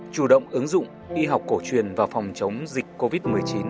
chủ động ứng dụng y học cổ truyền vào phòng chống dịch covid một mươi chín